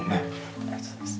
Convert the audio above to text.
ありがとうございます。